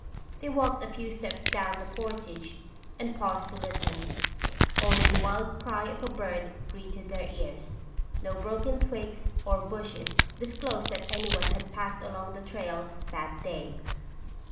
They walked a few steps down the portage and paused to listen. Only the wild cry of a bird greeted their ears. No broken twigs or bushes disclosed that anyone had passed along the trail that day.